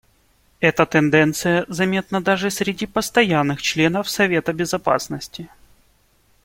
Эта тенденция заметна даже среди постоянных членов Совета Безопасности.